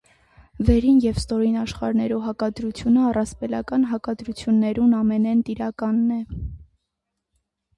Վերին եւ ստորին աշխարհներու հակադրութիւնը առասպելական հակադրութիւններուն ամէնէն տիրականն է։